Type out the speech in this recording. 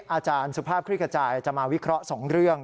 อาจารย์สุภาพคลิกกระจายจะมาวิเคราะห์๒เรื่อง